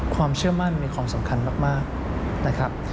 ความเชื่อมั่นมีความสำคัญมากนะครับ